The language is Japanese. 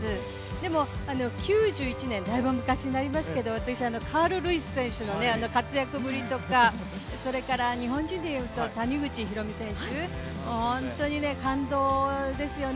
でも、９１年、だいぶ昔になりますけれども、私、カール・ルイス選手の活躍ぶりですとかそれから日本人でいうと谷口浩美選手、本当に感動ですよね。